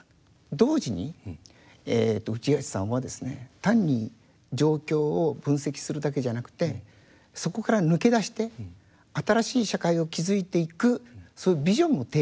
同時に内橋さんはですね単に状況を分析するだけじゃなくてそこから抜け出して新しい社会を築いていくそういうビジョンを提示したというふうに思います。